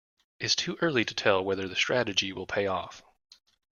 It's too early to tell whether the strategy will pay off.